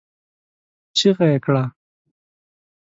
چيغه يې کړه!